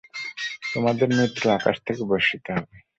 তোমাদের মৃত্যু আকাশ থেকে বর্ষিত হবে।